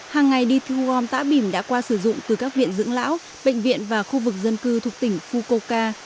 hàng ngày đi thu gom tả bìm đã qua sử dụng từ các viện dưỡng lão bệnh viện và khu vực dân cư thuộc tỉnh fukoka